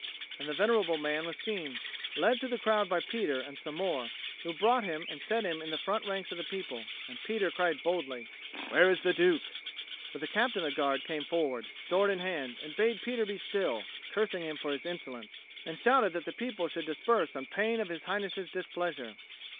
and the venerable man was seen, led through the crowd by Peter and some more, who brought him and set him in the front ranks of the people; and Peter cried boldly, "Where is the Duke?" But the Captain of the Guard came forward, sword in hand, and bade Peter be still, cursing him for insolence, and shouted that the people should disperse on pain of His Highness's displeasure.